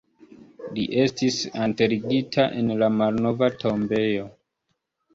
Li estis enterigita en la malnova tombejo.